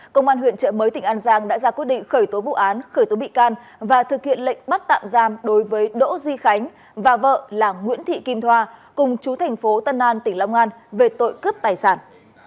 công an huyện trợ mới tỉnh an giang đã ra quyết định khởi tố vụ án khởi tố bị can và thực hiện lệnh bắt tạm giam đối với đỗ duy khánh và vợ là nguyễn thị kim thoa cùng chú thành phố tân an tỉnh long an về tội cướp tài sản